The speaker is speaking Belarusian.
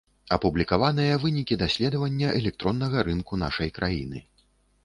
Апублікаваныя вынікі даследавання электроннага рынку нашай краіны.